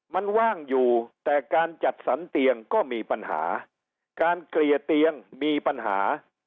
มันว่างอยู่แต่การจัดสรรเตียงก็มีปัญหาการเกลี่ยเตียงมีปัญหา